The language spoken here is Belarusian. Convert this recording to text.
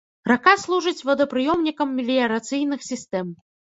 Рака служыць водапрыёмнікам меліярацыйных сістэм.